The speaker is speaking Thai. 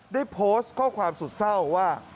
ได้โพสต์ข้อความสุดเศร้าว่า